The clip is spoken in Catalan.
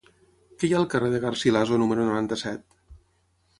Què hi ha al carrer de Garcilaso número noranta-set?